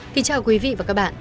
xin chào quý vị và các bạn